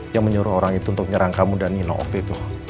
yang menyuruh orang itu untuk nyerang kamu dan nino waktu itu